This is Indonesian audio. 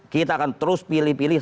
kita akan terus pilih pilih